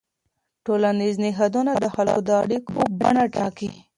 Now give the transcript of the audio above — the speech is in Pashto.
ټولنیز نهادونه د خلکو د اړیکو بڼه ټاکي.